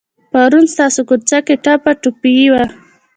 پرون ستاسو کوڅه کې ټپه ټایي وه.